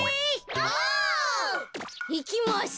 オ！いきます。